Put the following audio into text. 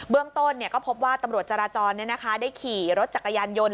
เรื่องต้นก็พบว่าตำรวจจราจรได้ขี่รถจักรยานยนต์